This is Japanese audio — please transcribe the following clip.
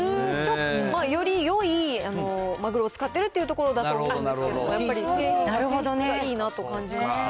よりよいマグロを使ってるというところだと思うんですけど、やっぱり性質がいいなと感じました。